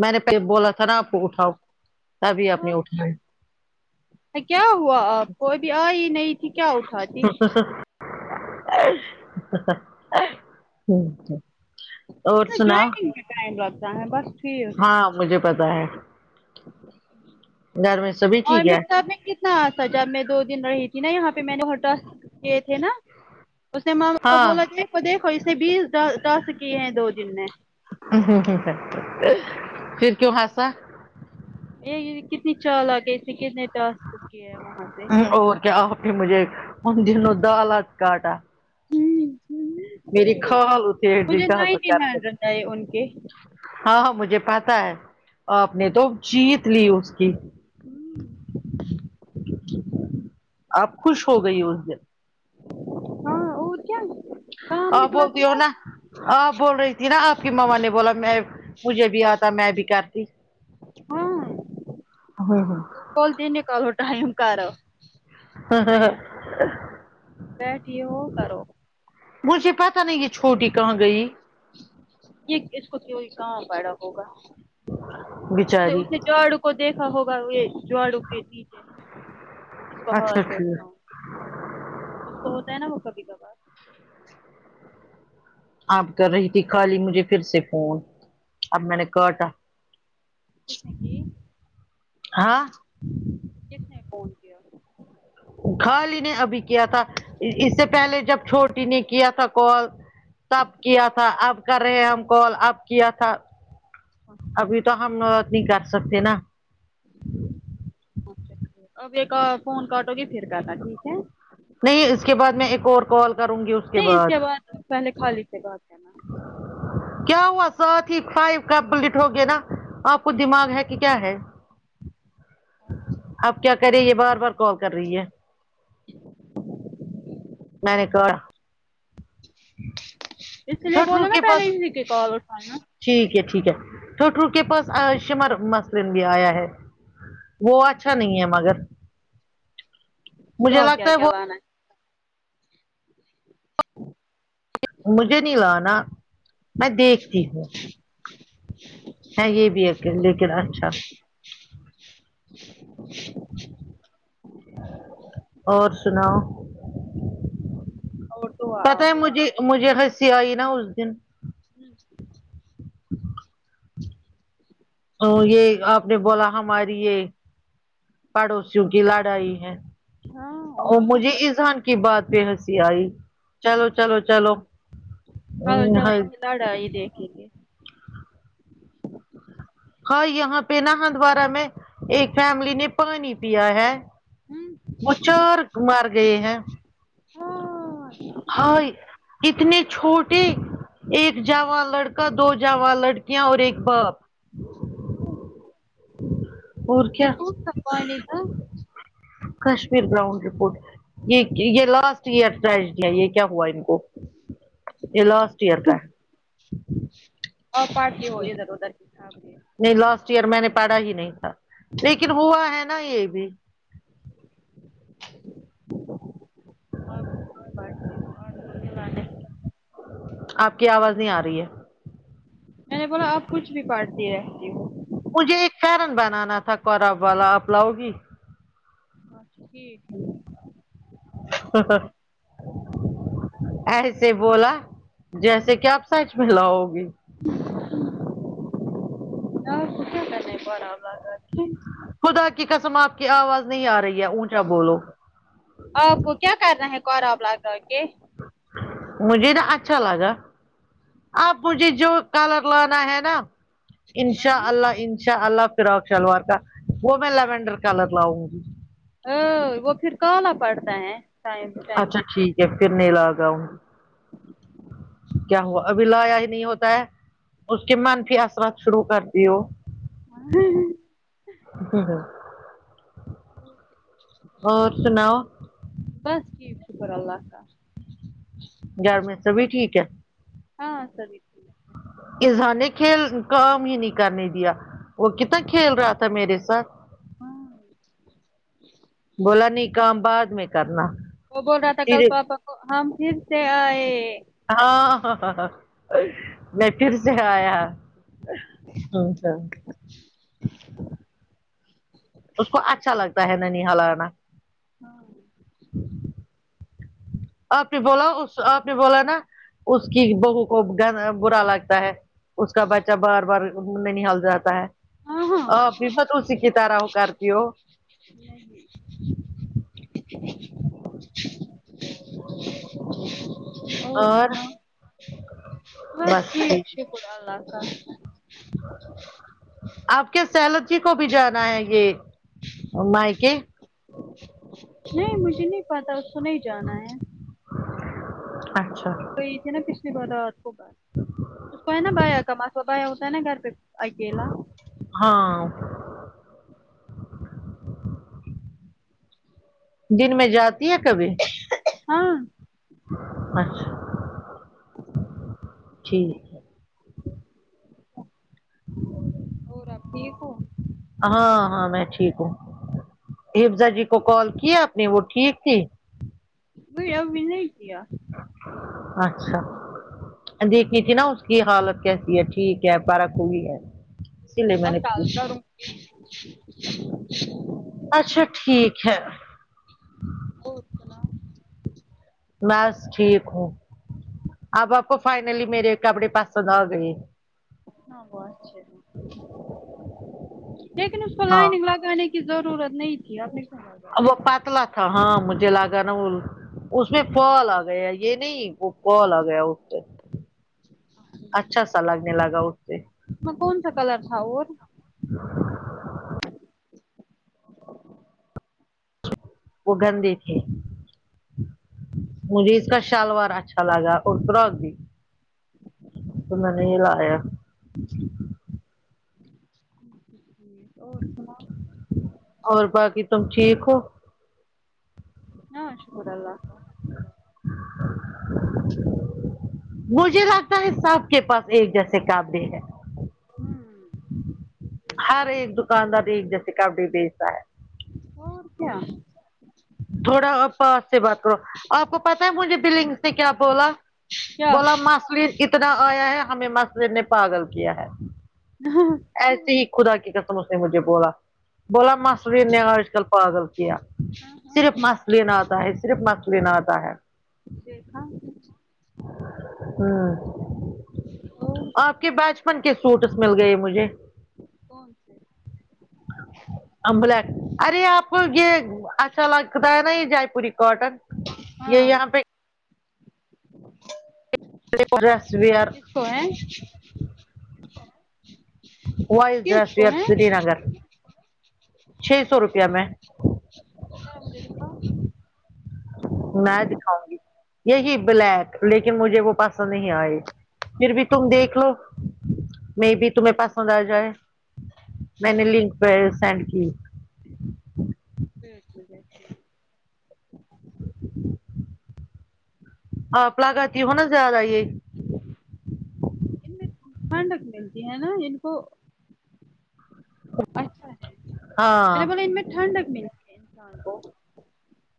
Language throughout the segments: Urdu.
میں نے پہلے بولا تھا نا آپ کو اٹھاؤ تبھی آپ نے ہاں اٹھائے کیا ہوا آپ کو ابھی آ ہی نہیں تھی کیا اٹھاتی ہوں اور ج سنا جویننگ میں ٹائم رہتا ہے بس پھر ہاں مجھے پتا ہے گرمی اور مے تب میں کتنا سجاب میں دو دن رہی تھی نا یہاں پہ میں نے ہوٹل یہ تھے نا اس نے ماما کو ہاں بولا کے تو دیکھو اسے بیس دا دس کیے ہیں دو دن مے ہ پھر کیوں ہسہ یہ کتنی چالاک ہے اسے کتنے ٹاسک کیے ہیں وہاں سے اور کیاھر مجھے ان دنوں دالات کاٹا میری خالو سے مجھے حصل نائنٹین کر کے ہنڈریڈ آئے ان کے ہاں ہاں مجھے پتا ہے آپ نے تو جیت لی اس کی ہمم آپ خوش ہو گئی اس دن ہاں اور کیا کام آپ نکلا تھا بولتی ہو نا آپ بول رہی تھی نا آپ کی ماما نے بولا میں مجھے بھی آتا میں بھی کرتی بھول د ن کو ٹم کر بیٹھی ہو کرو مجھے پتہ نہیں یہ چھوٹی کہاں گئی یہ اس کو کوئی پڑا ہوگا اس نے بچاری اسے جاڑو کو دیکھا ہوگا وہ جاڑو کے پیھے جس کو اچھا ہاتھ سے ٹھیک رکھتا ہوں اس کو ہوتا ہے نا وہ کبھی کبھار آپ کر رہی تھی خالی مجھے پھر سے فون اب میں نے کاٹا کس نے کی ہاں کس نے فون کیا خالی نے ابھی کیا تھا اس سے پہلے جب چھوٹی نے کیا تھا کال تب کیا تھا اب کر رہے ہیں ہم کال اب کیا تھا ابھی تو ہم نہیں کر سکتے نا اچھا اب یہ فون کاٹو گے پھر کہ تھا ٹھیک ہے نہیں اس کے بعد میں ایک اور کال کروں گی اس نہیں اس کے بعد پہلے خالی سے گات کرنا کیا ہوا سو ٹیک فائیو کمپلیٹ ہو گیا نا آپ کو دماغ ہے کہ کیا ہے آپ کیا کریں یہ بار بار کال کر رہی ہے میں نے کہا اس لیے چھٹرو بولو نا کے پہلے پاس اسی کی کال اٹھان نا ٹھیک ہے ٹھیک ہے ٹو ٹو کے پاس شمر مثرن بھی آیا ہے وہ اچھا نہیں ہے مگر سو مجھے کیا لگتا کیا وہ بانا ہے مجھے نہیں لانا میں دیکھتی ہوں یہ بھی ایک لیکن اچھا اور سناؤ اور دعا پتا ہے آپ مجھے مجھے ہنسی آئی نا اس دن تو یہ آپ نے بولا ہماری یہ پڑوسیوں کی لڑائی ہے اور مجھے اذان کی بات پہ ہنسی آئی چلو چلو چلوام ح چلو ان کی لڑائی دیکھیں گے ہاں یہاں پہ نا ہندوارہ میں ایک فیملی نے پانی پیا ہے ہمم وہ چار مار گئے ہیں ہاں ہائے اتنے چھوٹے ایک جوان لڑکا دو جوان لڑکیاں اور ایک باپ اور یہ کیا خوب صفائی ادھر کشمیر گراؤنڈ رپورٹ یہ یہ لاسٹ ایئر ٹجڈی ہے یہ کیا ہوا ان کو یہ لاسٹ یار کا ہے آپ اتیے ہو ادھر ادھر کے چاب کے نہیں لاسٹ ایئر میں نے پڑھا ہی نہیں تھا لیکن ہوا ہے نا یہ بھی ہاں کچ بھی پٹتی ہوں اور مے آپ کی آواز نہیں آ رہی ہے میں نے بولا اب کچھ بھی پٹتی رہتی ہوں مجھے ایک فیرن بنانا تھا کراب والا آپ لاؤ گی اچھا ٹھیک ہے [unintelligible] ایسے بولا جیسے کہ آپ سچ میں لؤ گی [inaudible] خدا کی قسم آپ کی آواز نہیں آ رہی ہے اونچا بولو آپ کو کیا کرنا ہے کربلا کر کے مجھے نا اچھا لگا آپ مجھے جو کالر لانا ہے نا انشاء ہاں اللہ انشاء اللہ فراق شلوار کا وہ میں لیوینڈر کلر لاؤں گی ج ام وہ پھر کالا پڑتا ہے ٹائم ٹائم اچھا کے ٹھیک ہے ساتھ پھر نیلا آ گاوں کیا ہوا ابھی لایا ہی نہیں ہوتا ہے اس کے منفی اثرات شروع کرتی ہو اور کیا اور سناؤ بس ٹھیک شکر اللہ کا گھر میں سبھی ٹھیک ہے ہاں سبھی ٹھیک ہے اذا نے کھیل کام ہی نہیں کرنے دیا وہ کتنا کھیل رہا تھا میرے ساتھ ہاں بولا نہیں کام بعد میں کرنا وہ بول رہا تھا کل سیدھے پاپا کو ہم پھر سے آئے ہاں ہاں ہاں میں پھر سے آیا اس کو اچھا لگتا ہے نن ہال آنا ہاں آپ نے بولا اس آپ نے بولا نا اس کی بہو کو گر برا لگتا ہے اس کا بچہ بار بار میں ننہال جاتا ہے ہاں ہاں آپ بھی ب اسی کی طرح وہ کر تی ہو اور سنا ہاں ٹھیک شکر اللہ کا آپ کے سیلس جی کو بھی جانا ہے یہ مائک نہیں مجھے نہیں پتا اس کو نہیں جانا ہے اچھا تھی نا پچھلی بار رات کو اس کو ہے نا بایا کماسو بایا ہوتا ہے نا گھر پہ آئیکے لا ہاں دن میں جاتی ہے کبھی ہاں اچھا ٹھیک اور آپ ٹھیک ہوں ہاں ہاں میں ٹھیک ہوں حفزا جی کو کال کیا آپ نے وہ ٹھیک تھی وہئی ابھی نہیں کیا اچھا دیکھی تھی نا اس کی حالت کیسی ہے ٹھیک ہے فرق ہوئی ہے اسی لیے میں اب نے ڈالتا پوچھا رہوںی اچھا ٹھیک ہے اور سنا بس ٹھیک ہوں اب آپکو فائنلی میرے کپڑے پںند آ گئے دیکھنا اس کو ہاں لائنگ لگانے کی کی ضرورت نہیں تھی ابھی وہ پتلا تھا ہاں مجھے لگا نا وہ اس میں فال آ گیا یہ نہیں وہ کال آ گیا اسٹیم اچھا سا لگنے لگا اٹھتے میں کون سا کلر تھا اور وہ گندے تھے مجھے اس کا شالوار اچھا گا اور پراغ بھی تو میں نے یہ لایا ہے ٹھیک اور سناؤ اور باقی تم ٹھیک ہو ہاں شکر اللہ کا مجھے لگتا ہے صاحب کے پاس ایک جیسے کااب د ہے ہم ہر ایک دکاندار ایک جیسے کپڈی بیچتا ہے اور کیا تھوڑا پاس سے بات رہو آپ کو پتا ہے مجھے بلنگ نے کیا بولا کیا بولا مسل اتنا آیا ہے ہمیں مسل نے پاگل کیا ہے ہاںاں ایسی ہی خدا کی قسم اس نے مجھے بولا بولا ماسور نے آج کل پاگل کیا ہاں صرف مس لینا آتا ہے صرف مس لینا آتا ہے دیکھا ہاں [inaudible] آپ کے بچپن کے سوٹس مل گئے مجھے کون سے امبلا ارے آپ یہ اچھا لگتا ہے نا یہ جے پوری کاٹن یہ ہاں یہاں پہ ڈس وئر کس کو ہے وائز ڈس کس ی کو ہے سری نگر چھ سو روپیہ میں چلا مجھے دیکھاؤ میں دکھاؤں گی یہی بلیک لیکن مجھے وہ پسند نہیں آئی پھر بھی تم دیکھ لو میں بھی تمہیں پسند آ جائے میں نے لنک پہ سینڈ کی ٹھیک ٹھیک آپ لگاتتی ہو نا زیادہ یہ ان ٹھنڈک ملتی ہے نا ان کو اچھا ارے ہاں مگر ان میں ٹھنڈک بھی مل ہے انسان کو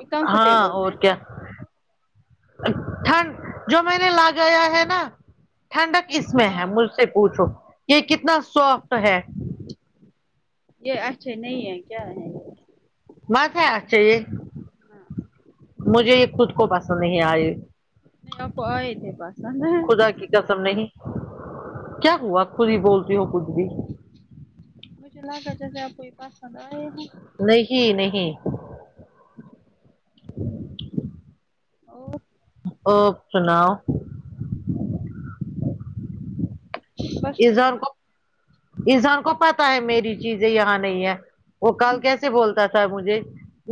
یہ ہاں کمفرٹیبل اور ہے کیا ٹھنڈ جو میں نے لگایا ہے نا ٹھنڈک اس میں ہے ہاں مجھ سے پوچھو یہ کتنا سافٹ ہے یہ اچھا نہیں ہے کیا ہے وہاں کا اچھا ہے ہاں مجھے یہ خود کو پسند نہیں آئی نہیں آپ کو آئے تھے پسند ہے خدا کی قسم نہیں کیا ہوا کو بولتی ہو کھ بھی مجھے لگتا جیسے آپ کو ہی پسند آئے ہ نہیں نہیں اور اور سناؤ بس انسان کو انسان کو پتہ ہے میری چیزیں یہاں نہیں ہے وہ کال کیسے بولتا صاحب مجھے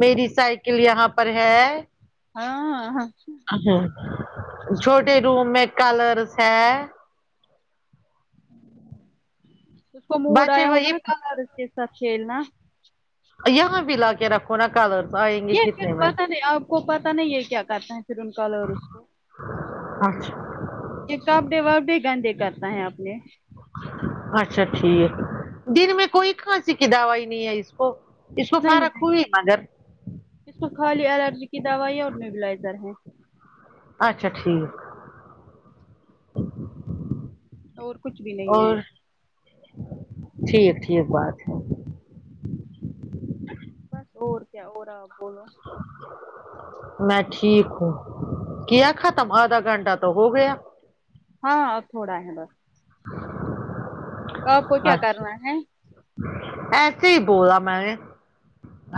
میری سائیکل یہاں پر ہے ہاں اہ ہ چھوٹے روم میں کلرس ہے اس کو موڈ بچے آیا ہوگا نا وہی کلر اس کے ساتھ کھیلنا یہاں بھی لا کے رکھو نا کلر یہ پھر پتا نہیں آپ کو پتا نہیں یہ کیا کرتا ہیں پھر ان کلر اس کو اچھا یہ کپڑے وپ ڈے گندے کرتا ہیں اپنے اچھا ٹھیک دن میں کوئی کھانسی کی دوائی نہیں ہے اس کو اس کو نہیں فرق نہیں ہوئی مگر اس کو خالی الرجی کی دوائیاں اور نیوبیلائزر ہیں اچھا ٹھیک اور کچھ بھی نہیں ہے اور ٹھیک ٹھیک بات ہے بس اور کیا اور آپ بولو میں ٹھیک ہوں کیا ختم آدھا گھنٹہ تو ہو گیا ہاں تھوڑا ہے بس [inaudible] آپ کو کیا کرنا اچھا ہے ایسے ہی بولا میں نے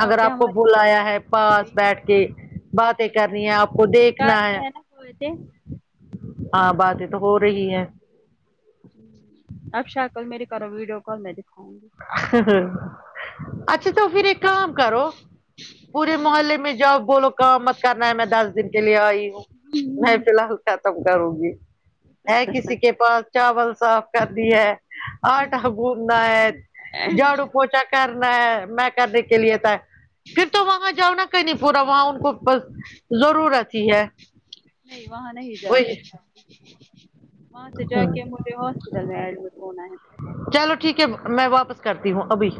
اگر کیا آپ کو ہماری بلایا ہے پاس بیٹھ کے باتیں کرنی ہے آپ کو دیکھنا چاہتے ہے ہیں نا ہوئے تھے ہاں باتیں تو ہو رہی ہے اکشا کل میرے کروں ویڈیو کال میں دکھاؤں گی ہ ہ اچھا تو پھر ایک کام کرو پورے محلے میں جاؤ بولو کام مت کرنا ہے میں دس دن کے لیے آئی ہوں میں فی نہیں الحال ختم کروں گی ہے کسی کے پاس چاول صاف کر دی ہے آٹا گوندھنا ہے جھاڑو پوچا کرنا ہے میں کرنے کے لیے تھا پھر تو وہاں جاؤں کہیں پورا وہاں ان کو بس ضرورت ہی ہے نہیں وہاں نہیں جا وہی سکتے وہاں سے جا کے مجھے ہوسپٹل میں ایڈمیٹ ہونا کیا چلو ٹھیک ہے میں واپس کرتی ہوں ابھی